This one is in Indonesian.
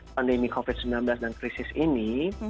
pandemi covid sembilan belas dan krisis ini